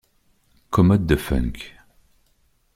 Commodes de Funk.